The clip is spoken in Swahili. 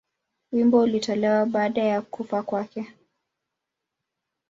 Wimbo ulitolewa baada ya kufa kwake.